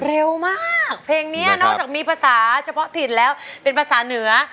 เร็วมากเพลงนี้นอกจากมีภาษาเฉพาะถิ่นแล้วเป็นภาษาเหนือ